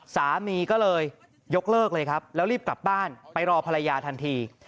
สามีก็เลยยกเลิกเลยครับแล้วรีบกลับบ้านไปรอภรรยาทันที